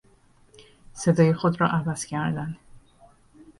صدای خود را عوض کردن